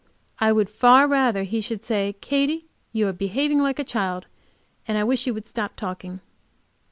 I would far rather he should say, "Katy, you are behaving like a child and I wish you would stop talking."